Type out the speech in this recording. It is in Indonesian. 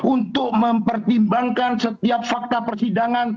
untuk mempertimbangkan setiap fakta persidangan